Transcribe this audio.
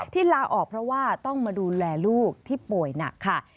ลาออกเพราะว่าต้องมาดูแลลูกที่ป่วยหนักค่ะ